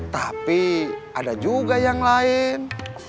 tapi ada juga yang lain